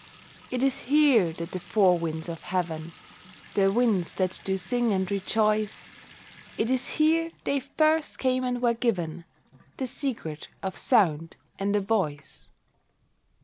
It is here that the four winds of heaven, The winds that do sing and rejoice, It is here they first came and were given The secret of sound and a voice.